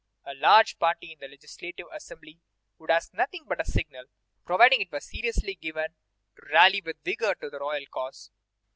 A large party in the Legislative Assembly would ask nothing but a signal, providing it were seriously given, to rally with vigor to the royal cause.